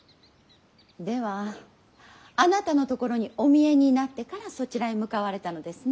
ではあなたのところにお見えになってからそちらへ向かわれたのですね。